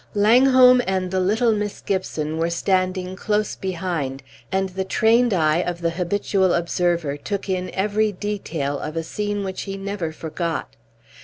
Langholm and the little Miss Gibson were standing close behind, and the trained eye of the habitual observer took in every detail of a scene which he never forgot.